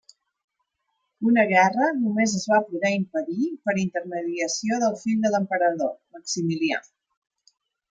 Una guerra només es va poder impedir per intermediació del fill de l'emperador, Maximilià.